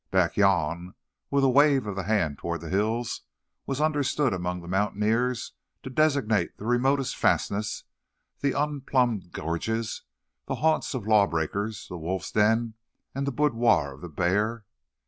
"Back yan'," with a wave of the hand toward the hills, was understood among the mountaineers to designate the remotest fastnesses, the unplumbed gorges, the haunts of lawbreakers, the wolf's den, and the boudoir of the bear.